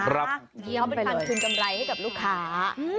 เยี่ยมไปเลยเขาเป็นฟันคืนกำไรให้กับลูกค้า